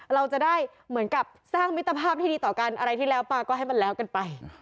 เราจะได้เหมือนกับสร้างมิตรภาพที่ดีต่อกันอะไรที่แล้วมาก็ให้มันแล้วกันไป